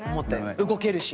動けるし。